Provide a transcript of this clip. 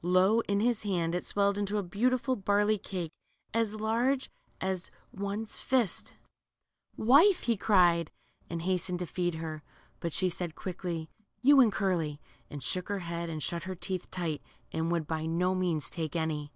Lo, in his hand it swelled into a beautiful barley cake as large as one's ,1 « LITTLE CURLY, 133 fist. Wife," he cried, and hastened to feed her. But she said quickly, You and Curly," and shook her head and shut her teeth tight, and would by no means take any.